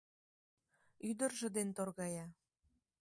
Ӱдыржӧ ден торгая.